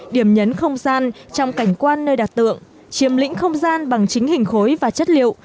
điểm nhấn không gian trong cảnh quan nơi đặt tượng chiếm lĩnh không gian bằng chính hình khối và chất liệu